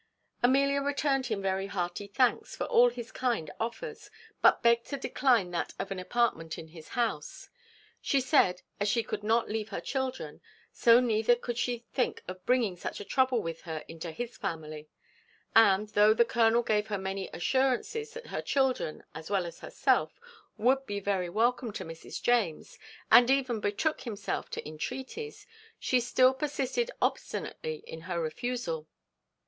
Amelia returned him very hearty thanks for all his kind offers, but begged to decline that of an apartment in his house. She said, as she could not leave her children, so neither could she think of bringing such a trouble with her into his family; and, though the colonel gave her many assurances that her children, as well as herself, would be very welcome to Mrs. James, and even betook himself to entreaties, she still persisted obstinately in her refusal.